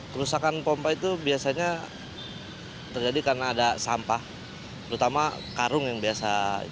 kerusakan pompa itu biasanya terjadi karena ada sampah terutama karung yang biasa